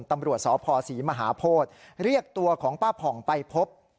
ตำรวจสพศรีมหาโพธิเรียกตัวของป้าผ่องไปพบ